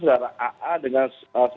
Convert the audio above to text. saudara r itu sudah di indonesia